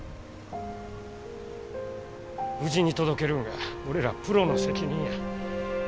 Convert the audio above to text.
無事に届けるんが俺らプロの責任や。